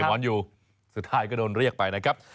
สุดท้ายก็โดนเรียกไปนะครับ